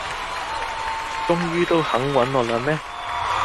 終於都肯搵我喇咩